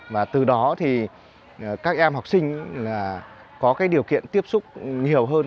và từ đó thì các em học sinh có điều kiện tiếp xúc nhiều hơn